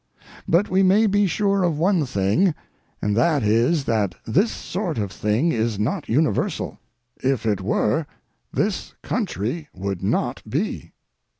But we may be sure of one thing, and that is that this sort of thing is not universal. If it were, this country would not be.